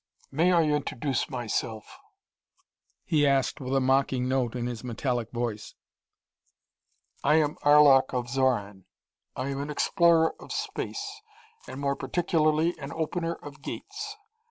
"May I introduce myself?" he asked with a mocking note in his metallic voice. "I am Arlok of Xoran. I am an explorer of Space, and more particularly an Opener of Gates.